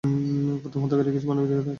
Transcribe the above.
প্রথম হত্যাকারীর কিছু মানবিকতা আছে।